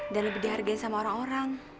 dan lebih dihargai sama orang orang